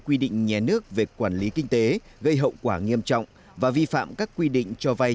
quy định nhé nước về quản lý kinh tế gây hậu quả nghiêm trọng và vi phạm các quy định cho vay